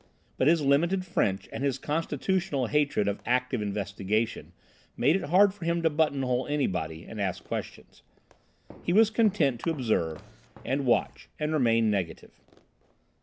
But his limited French and his constitutional hatred of active investigation made it hard for him to buttonhole anybody and ask questions. He was content to observe, and watch, and remain negative.